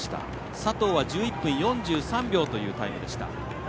佐藤は１１分４３秒というタイムでした。